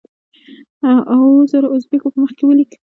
اوو زرو اوزبیکو په مخ کې ولیک.